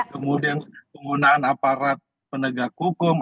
kemudian penggunaan aparat penegak hukum